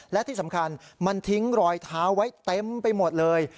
และที่สำคัญมันทิ้งรอยเท้าไว้เต็มไปหมดเลย